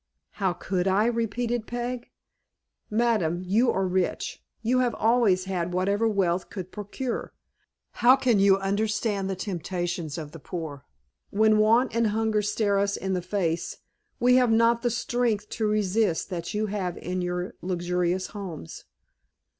"How could I?" repeated Peg. "Madam, you are rich. You have always had whatever wealth could procure. How can you understand the temptations of the poor? When want and hunger stare us in the face, we have not the strength to resist that you have in your luxurious homes."